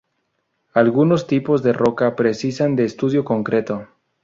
Algunos tipos de roca precisan de estudio concreto.